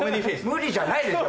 無理じゃないでしょ！